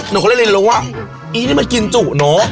หนูก็เลยเรียนรู้ว่าอีนี่มันกินจุเนอะ